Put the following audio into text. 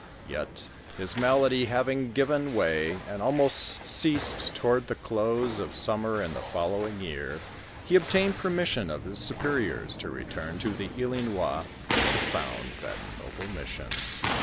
Yet, his malady having given way and almost ceased toward the close of summer in the fol lowing year, he obtained permission of his superiors to return to the Ilinois to found that noble mission.